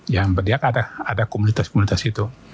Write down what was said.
yang berdiaka ada komunitas komunitas itu